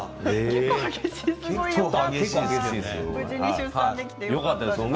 結構、激しいんですよね。